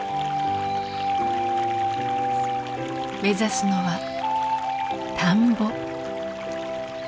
目指すのは田んぼ。